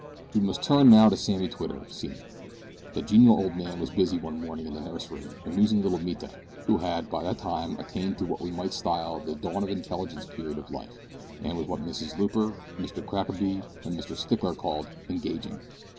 We must turn now to Samuel Twitter, senior. That genial old man was busy one morning in the nursery, amusing little Mita, who had by that time attained to what we may style the dawn of intelligence period of life, and was what Mrs Loper, Mr Crackaby, and Mr Stickler called "engaging."